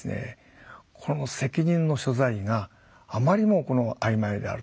この責任の所在があまりにも曖昧であると。